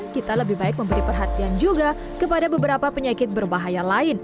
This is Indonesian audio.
kita lebih baik memberi perhatian juga kepada beberapa penyakit berbahaya lain